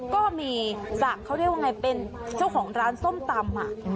ก็มีสักเขาเรียกว่าอย่างไรเป็นเจ้าของร้านส้มตำ